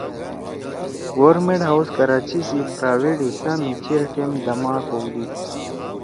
گورنمینٹ ہاؤس کراچی سی پرائویٹ حصہ می چیر ٹیم دَما کؤدُود